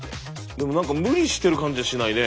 でも何か無理してる感じはしないね。